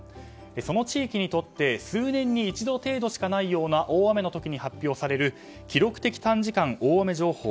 その地域にとって数年に一度程度しかないような大雨の時に発表される記録的短時間大雨情報